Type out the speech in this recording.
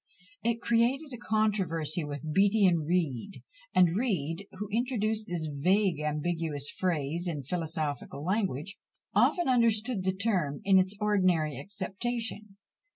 It created a controversy with Beattie and Reid; and Reid, who introduced this vague ambiguous phrase in philosophical language, often understood the term in its ordinary acceptation.